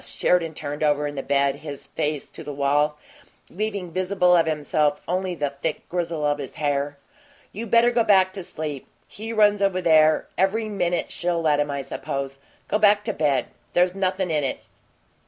Sheridan turned over in the bed, his face to the wall, leaving visible of himself only the thick grizzle of his hair. "You better go back to sleep. He runs over there every minute she'll let him, I suppose. Go back to bed. There's nothin' in it."